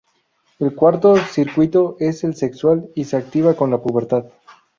El cuarto circuito es el sexual y se activa con la pubertad.